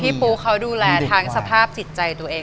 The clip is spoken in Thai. พี่ปูเขาดูแลทั้งสภาพสิทธิใจตัวเอง